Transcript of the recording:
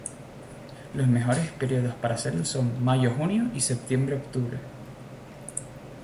Los mejores períodos para hacerlo son mayo-junio y septiembre-octubre.